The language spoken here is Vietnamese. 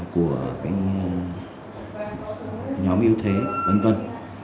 của cái nhóm yếu thế vân vân